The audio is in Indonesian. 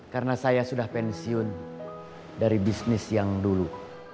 karena saya sudah pensiun dari bisnis yang dulu